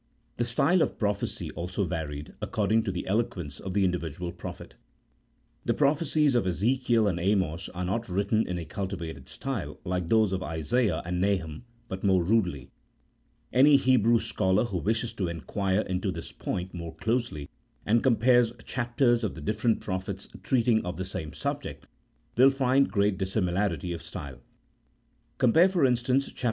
The style of the prophecy also varied according to the eloquence of the individual prophet. The prophecies of Ezekiel and Amos are not written in a cultivated style like those of Isaiah and Nahum, but more rudely. Any Hebrew scholar who wishes to inquire into this point more closely, and compares chapters of the different prophets treating of the same subject, will find great dissimilarity of style. Compare, for instance, chap.